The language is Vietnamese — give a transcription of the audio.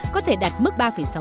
có thể đạt mức ba sáu